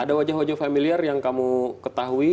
ada wajah wajah familiar yang kamu ketahui